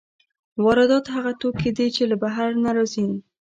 واردات هغه توکي دي چې له بهر نه راځي.